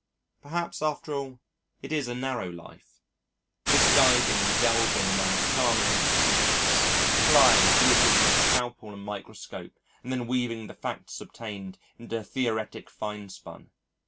Perhaps after all it is a narrow life this diving and delving among charming little secrets, plying diligently scalpel and microscope and then weaving the facts obtained into theoretic finespun.